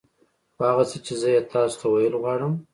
خو هغه څه چې زه يې تاسو ته ويل غواړم.